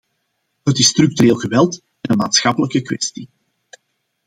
Het is structureel geweld en een maatschappelijke kwestie.